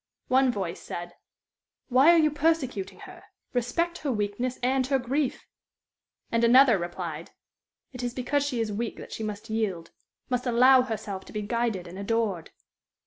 One voice said: "Why are you persecuting her? Respect her weakness and her grief." And another replied: "It is because she is weak that she must yield must allow herself to be guided and adored."